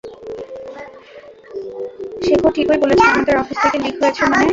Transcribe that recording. শেখর ঠিকই বলেছে আমাদের অফিস থেকে লিক হয়েছে মানে?